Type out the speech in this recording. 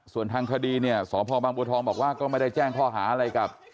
ส่วนทางคดีเนี่ยสพบางบัวทองบอกว่าก็ไม่ได้แจ้งข้อหาอะไรกับ